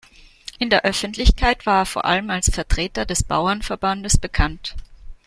In der Öffentlichkeit war er vor allem als Vertreter des Bauernverbandes bekannt.